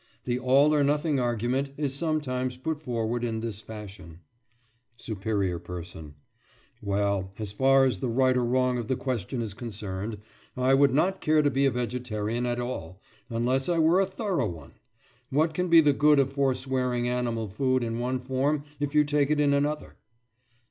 The all or nothing argument is sometimes put forward in this fashion: SUPERIOR PERSON: Well, as far as the right or wrong of the question is concerned, I would not care to be a vegetarian at all, unless I were a thorough one. What can be the good of forswearing animal food in one form if you take it in another?